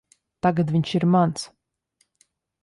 Tagad viņš ir mans.